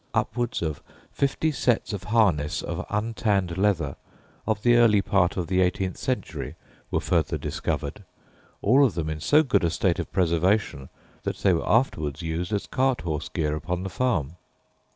Upwards of fifty sets of harness of untanned leather of the early part of the eighteenth century were further discovered, all of them in so good a state of preservation that they were afterwards used as cart horse gear upon the farm.